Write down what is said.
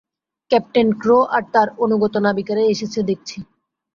Captain Crow আর তার অনুগত নাবিকেরা এসেছে দেখছি।